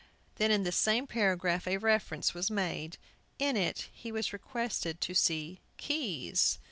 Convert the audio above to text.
Then in this same paragraph a reference was made; in it he was requested to "see Keys."